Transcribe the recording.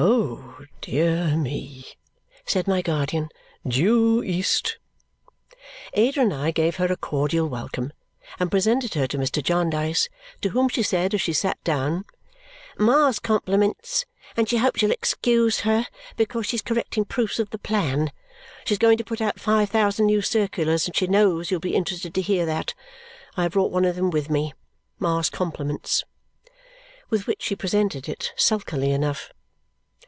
"Oh, dear me!" said my guardian. "Due east!" Ada and I gave her a cordial welcome and presented her to Mr. Jarndyce, to whom she said as she sat down, "Ma's compliments, and she hopes you'll excuse her, because she's correcting proofs of the plan. She's going to put out five thousand new circulars, and she knows you'll be interested to hear that. I have brought one of them with me. Ma's compliments." With which she presented it sulkily enough.